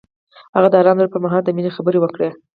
هغه د آرام زړه پر مهال د مینې خبرې وکړې.